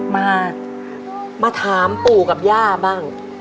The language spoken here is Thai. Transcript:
มามาถามปู่กับย่าบ้าง